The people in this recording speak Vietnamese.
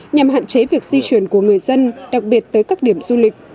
nhằm hạn chế việc di chuyển của người dân đặc biệt tới các điểm du lịch